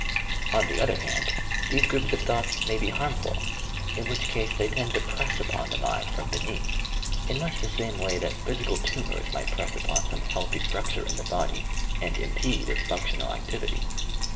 On the PRAYER, CONCENTRATION, SILENCE 221 other hand, these groups of thoughts may be harmful, in which case they tend to press upon the mind from be neath, in much the same way that physical tumours might press upon some healthy structure in the body, and im pede its functional activity.